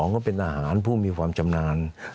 ก็เป็นอาหารผู้มีความชำนาญ